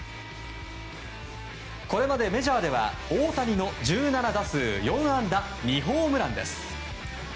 これまでメジャーでは大谷の１７打数４安打２ホームランです。